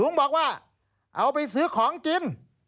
บอกว่าเอาไปซื้อของกิน